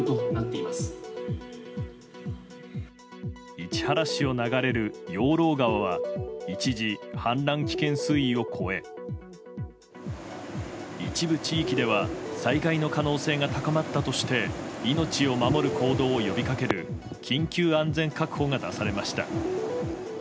市原市を流れる養老川は一時、氾濫危険水位を越え一部地域では災害の可能性が高まったとして命を守る行動を呼びかける緊急安全確保が出されました。